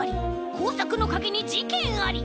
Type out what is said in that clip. こうさくのかげにじけんあり。